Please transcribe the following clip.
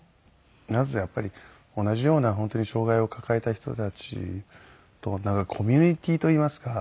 なんせやっぱり同じような障がいを抱えた人たちとコミュニティーといいますか。